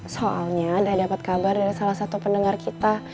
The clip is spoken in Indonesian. soalnya udah dapet kabar dari salah satu pendengar kita